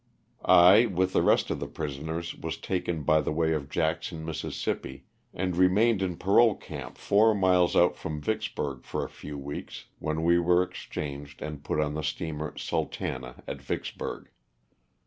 I, with the rest of the prisoners, was taken by the way of Jackson, Miss., and remained in parole camp four miles out from Vicksburg for a few weeks, when we were exchanged and put on the steamer "Sultana" at Vicksburg.